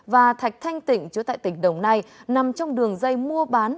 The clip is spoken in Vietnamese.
và thạch thanh tỉnh chú tại tỉnh đồng nai nằm trong đường dây mua bán